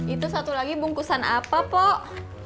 itu satu lagi bungkusan apa pak